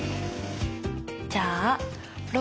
じゃあ６。